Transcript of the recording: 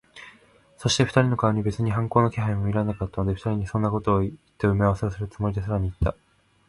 そして、二人の顔に別に反抗の気配も見られなかったので、二人にそんなことをいった埋合せをするつもりで、さらにいった。